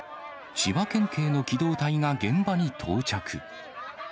千葉県警の機動隊が現場に到着。